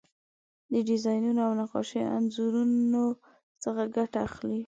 د ډیزاینونو او نقاشۍ انځورونو څخه ګټه اخلي.